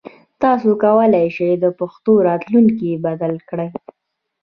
تاسو کولای شئ د پښتو راتلونکی بدل کړئ.